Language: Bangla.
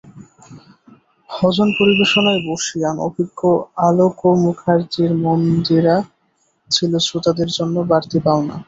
ভজন পরিবেশনায় বর্ষীয়ান, অভিজ্ঞ অলোক মুখার্জির মন্দিরা ছিল শ্রোতাদের জন্য বাড়তি পাওনা।